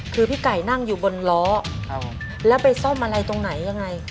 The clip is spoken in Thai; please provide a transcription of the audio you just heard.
คือพี่ไก่นั่งอยู่บนล้อแล้วไปซ่อมอะไรตรงไหนยังไง